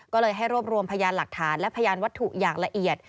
ก็เลยให้รวบรวมพยานหลักฐานและพยานวัตถุอย่างละเอียด